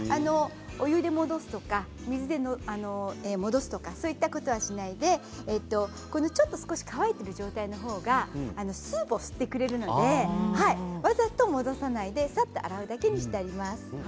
お湯で戻すとか水で戻すとかそういったことはしないでちょっと少し乾いている状態のほうがスープを吸ってくれるのでわざと戻さないでさっと洗うだけにしてあります。